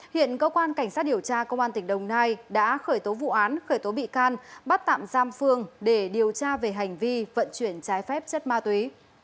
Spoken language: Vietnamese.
hiện cơ quan cảnh sát điều tra công an tỉnh đồng nai đã khởi tố vụ án khởi tố bị can bắt tạm giam phương để điều tra về hành vi vận chuyển trái phép chất ma túy